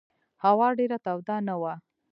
هوا ډېره توده نه وه.